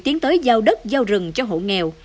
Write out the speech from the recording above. tiến tới giao đất giao rừng cho hộ nghèo